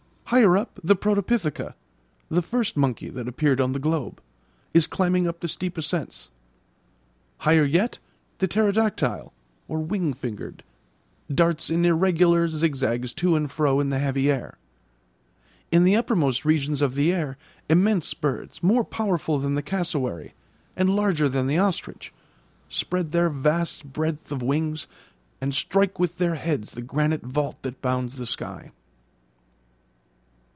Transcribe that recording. Higher up, the protopitheca the first monkey that appeared on the globe is climbing up the steep ascents. Higher yet, the pterodactyle (wing fingered) darts in irregular zigzags to and fro in the heavy air. In the uppermost regions of the air immense birds, more powerful than the cassowary, and larger than the ostrich, spread their vast breadth of wings and strike with their heads the granite vault that bounds the sky.